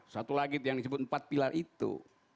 satu lagi yang disebut empat pilar itu